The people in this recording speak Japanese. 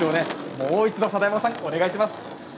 もう一度、貞右衛門さんお願いします。